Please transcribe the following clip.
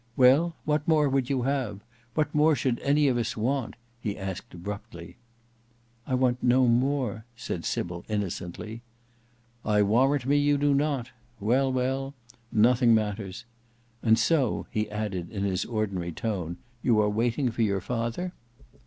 "Well; what more would you have? What more should any of us want?" he asked abruptly. "I want no more," said Sybil innocently. "I warrant me, you do not. Well, well, nothing matters. And so," he added in his ordinary tone, "you are waiting for your father?"